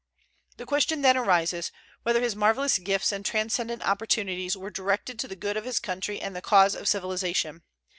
The question then arises, whether his marvellous gifts and transcendent opportunities were directed to the good of his country and the cause of civilization.